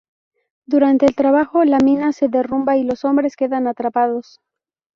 Durante el trabajo la mina se derrumba y los hombres quedan atrapados.